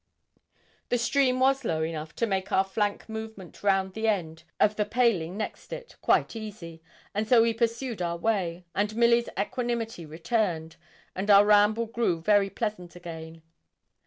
The stream was low enough to make our flank movement round the end of the paling next it quite easy, and so we pursued our way, and Milly's equanimity returned, and our ramble grew very pleasant again.